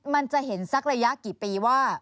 มันจะเห็นสักระยะกี่ปีว่า